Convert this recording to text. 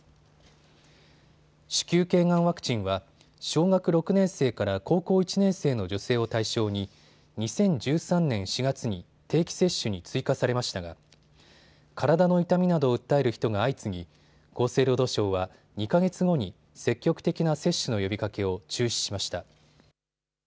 子宮頸がんワクチンは小学６年生から高校１年生の女性を対象に２０１３年４月に定期接種に追加されましたが体の痛みなどを訴える人が相次ぎ、厚生労働省は２か月後に積極的な接種の呼びかけを中止しました。